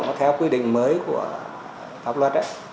nó theo quy định mới của pháp luật ấy